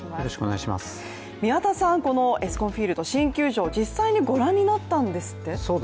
宮田さん、このＥＳＣＯＮＦＩＥＬＤ、新球場、実際にご覧になったんですって？